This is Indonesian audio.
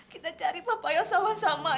kita cari papa yos sama sama ya